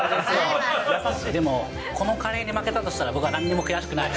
でも、このカレーに負けたとしたら、僕はなんにも悔しくない。